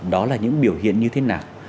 đó là những biểu hiện như thế nào